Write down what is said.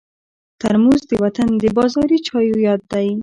ترموز د وطن د بازاري چایو یاد دی.